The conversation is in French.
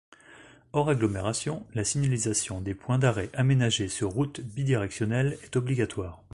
Hors agglomération, la signalisation des points d’arrêt aménagés sur routes bidirectionnelles est obligatoire.